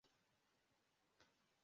Abagore bambaye imyenda yabo